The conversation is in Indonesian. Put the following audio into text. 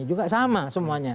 juga sama semuanya